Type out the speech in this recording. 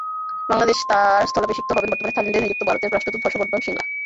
বাংলাদেশে তাঁর স্থলাভিষিক্ত হবেন বর্তমানে থাইল্যান্ডে নিযুক্ত ভারতের রাষ্ট্রদূত হর্ষ বর্ধন শ্রীংলা।